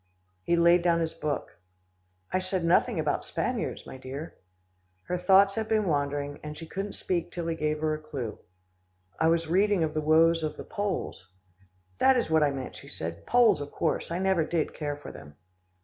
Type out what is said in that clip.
He laid down his book. "I said nothing about Spaniards, my dear." Her thoughts had been wandering, and she couldn't speak till he gave her a clue. "I was reading of the woes of the Poles." "That is what I meant," she said, "Poles of course, I never did care for them."